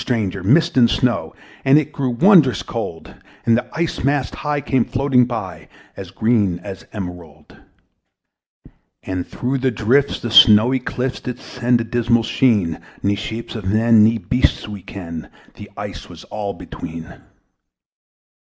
And now there came both mist and snow, And it grew wondrous cold: And ice, mast high, came floating by, As green as emerald. And through the drifts the snowy clifts Did send a dismal sheen: Nor shapes of men nor beasts we ken The ice was all between.